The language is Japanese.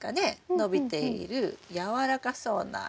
伸びている軟らかそうな。